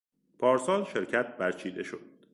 پارسال شرکت برچیده شد.